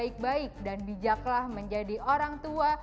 baik baik dan bijaklah menjadi orang tua